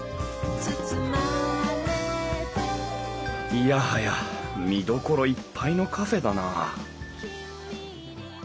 いやはや見どころいっぱいのカフェだなあ